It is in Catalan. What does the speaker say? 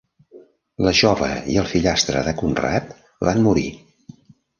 La jove i el fillastre de Conrad van morir.